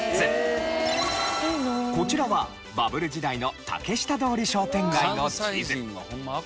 こちらはバブル時代の竹下通り商店街の地図。